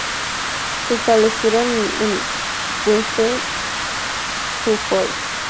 Se establecieron en Wingfield, Suffolk.